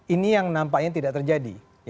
ini yang nampaknya tidak terjadi